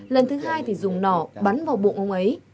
lần thứ hai thì dùng nỏ bắn vào bộ ông ấy